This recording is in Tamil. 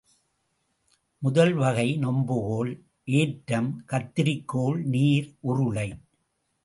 முதல் வகை நெம்புகோல் ஏற்றம், கத்தரிக்கோல், நீர் உருளை.